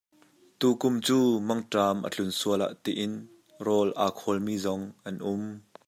Tu kum cu mangṭam a tlun sual ah ti in rawl aa khawl mi zong an um.